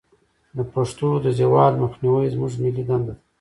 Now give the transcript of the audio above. د پښتو د زوال مخنیوی زموږ ملي دندې ده.